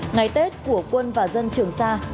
ngày tết của quân và dân trường sa